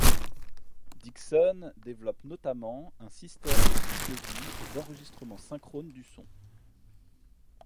Dickson développe notamment un système de prise de vue et d'enregistrement synchrone du son.